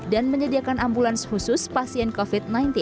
dan menyediakan ambulans khusus pasien covid sembilan belas